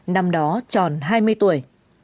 năm đó tròn hai mươi tuổi